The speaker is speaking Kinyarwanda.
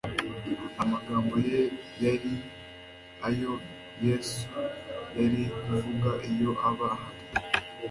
amagambo ye yari ayo Yesu yari kuvuga iyo aba ahari.